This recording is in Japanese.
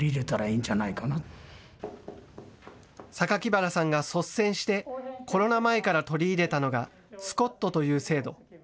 榊原さんが率先してコロナ前から取り入れたのがＳＣＯＴという制度。